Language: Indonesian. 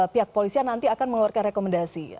pihak polisian nanti akan mengeluarkan rekomendasi